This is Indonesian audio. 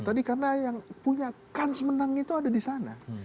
karena yang punya kans menang itu ada disana